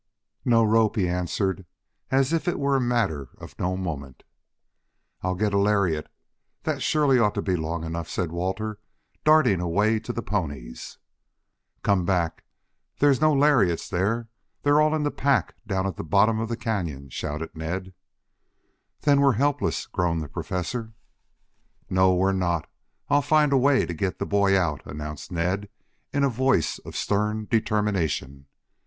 "No rope," he answered, as if it were a matter of no moment. "I'll get a lariat. That surely ought to be long enough," said Walter, darting away to the ponies. "Come back. There's no lariats there. They're all in the pack down at the bottom of the canyon," shouted Ned. "Then we're helpless," groaned the Professor. "No, we're not. I'll find a way to get the boy out," announced Ned, in a voice of stern determination.